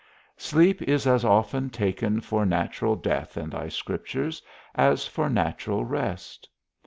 Sleep is as often taken for natural death in thy Scriptures, as for natural rest.